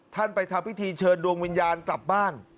ไปทำพิธีเชิญดวงวิญญาณกลับบ้าน